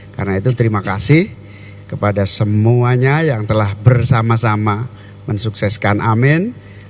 karena itu terima kasih kepada semuanya yang telah bersama sama mensukseskan amen